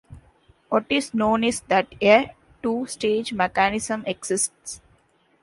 What is known is that a two-stage mechanism exists.